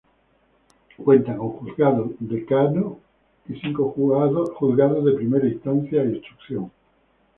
Cuenta con Juzgado Decano y cinco juzgados de Primera Instancia e Instrucción.